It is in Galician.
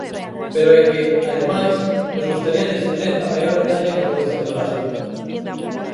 Pero é que, ademais, nos gustaría descender a maior detalle na evolución do gasto.